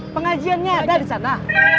pengajiannya ada di sana